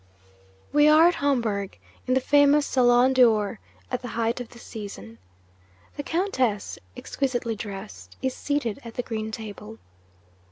'We are at Homburg, in the famous Salon d'Or, at the height of the season. The Countess (exquisitely dressed) is seated at the green table.